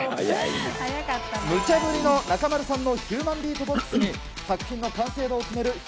むちゃぶりの中丸さんのヒューマンビートボックスに作品の完成度を決める